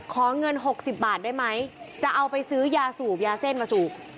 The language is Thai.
ขอเงิน๖๐บาทได้ไหมจะเอาไปซื้อยาสูบยาเส้นมาสูบ